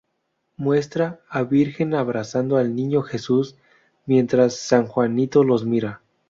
Muestra a Virgen abrazando al Niño Jesús, mientras san Juanito los mira.